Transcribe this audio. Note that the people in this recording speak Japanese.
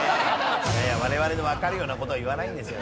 我々のわかるような事は言わないんですよ。